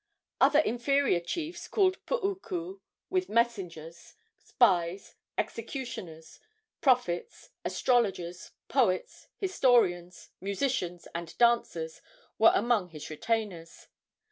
Other inferior chiefs, called puuku, with messengers, spies, executioners, prophets, astrologers, poets, historians, musicians and dancers, were among his retainers.